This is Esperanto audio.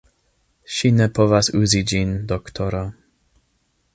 Ŝi ne povas uzi ĝin, doktoro.